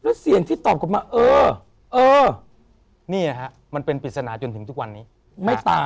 แล้วเสียงที่ตอบกลับมาเออเออนี่นะฮะมันเป็นปริศนาจนถึงทุกวันนี้ไม่ตาม